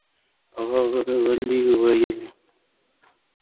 هغه غلې وویل: